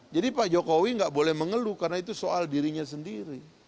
jadi pak jokowi nggak boleh mengeluh karena itu soal dirinya sendiri